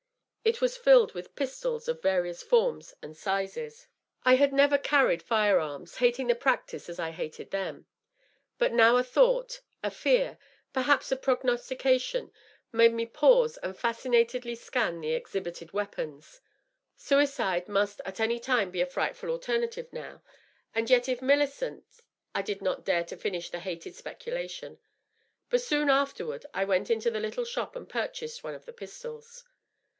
It was filled with pistols of various forms and sizes. I had never carried fire arms, hating the practice as I hated them. But now a thought, a fear, per haps a prognostication, made me pause and fascinatedly scan the ex hibited weapons. Suicide must at any time be a frightfiil alternative, now ; and yet if MilliQcnt .. I did not dare to finish the hated specu lation. But soon afterward I went into the little shop and purchased one of the pistols.